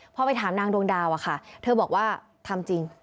พอไปถามนางดวงดาวอะค่ะเธอบอกว่าทำจริง